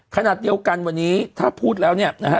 ขณะเดียวกันวันนี้ถ้าพูดแล้วเนี่ยนะฮะ